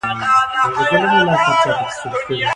دا متن سکون بښونکی دی.